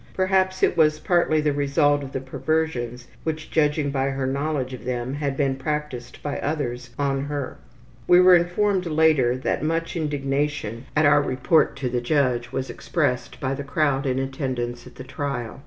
Perhaps it was partly the result of the perversions which, judging by her knowledge of them, had been practiced by others on her. We were informed later that much indignation at our report to the judge was expressed by the crowd in attendance at the trial.